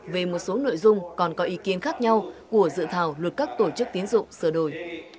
về một số nội dung còn có ý kiến khác nhau của dự thảo luật các tổ chức tiến dụng sửa đổi